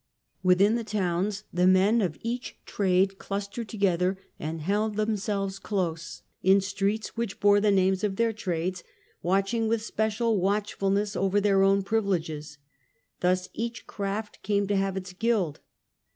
Within the towns the men of each trade clustered together and held themselves close, in streets which bore the names of their trades, watching with special The Graft watchfulness over their own privileges. Thus Q^iWa. each craft came to have its guild.